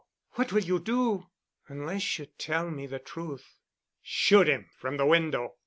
"What will you do?" "Unless you tell me the truth—shoot him from the window."